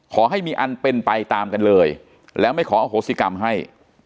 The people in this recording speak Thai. ขอให้มีอันเป็นไปตามกันเลยแล้วไม่ขออโหสิกรรมให้